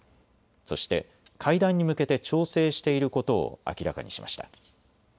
そして会談に向けて調整していることを明らかにしました。